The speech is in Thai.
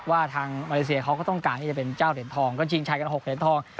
ว่าทางมาเลเซียเขาก็ต้องการที่จะเป็นเจ้าเหรียญทองก็ชิงชัยกัน๖เหรียญทอง